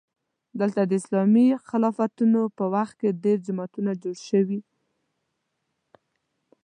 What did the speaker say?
دلته د اسلامي خلافتونو په وخت کې ډېر جوماتونه جوړ شوي.